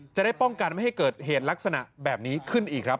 จะได้ป้องกันไม่ให้เกิดเหตุลักษณะแบบนี้ขึ้นอีกครับ